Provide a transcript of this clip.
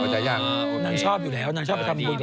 อ๋อนางชอบอยู่แล้วนางชอบคำนวจ